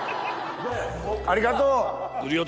ありがとう！